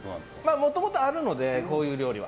もともとあるのでこういう料理は。